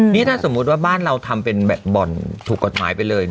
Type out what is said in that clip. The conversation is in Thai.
นี่ถ้าสมมุติว่าบ้านเราทำเป็นบ่อนถูกกฎหมายไปเลย